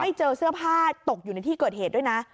เจอเสื้อผ้าตกอยู่ในที่เกิดเหตุด้วยนะ